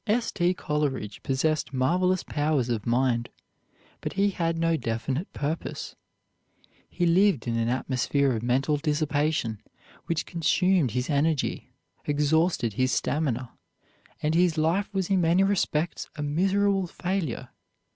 '" S. T. Coleridge possessed marvelous powers of mind, but he had no definite purpose; he lived in an atmosphere of mental dissipation which consumed his energy, exhausted his stamina, and his life was in many respects a miserable failure.